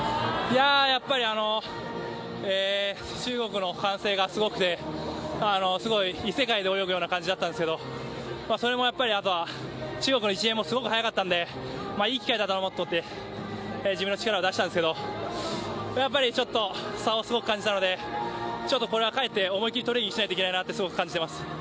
やっぱり中国の歓声がすごくてすごい異世界で泳ぐような感じだったんですけどそれも、やっぱり中国の１泳もすごく速かったのでいい機会だと思って自分の力を出したんですけどやっぱり差をすごく感じたのでこれは帰って思い切りトレーニングしないといけないなと感じました。